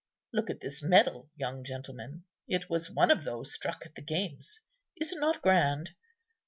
Look at this medal, young gentleman; it was one of those struck at the games. Is it not grand?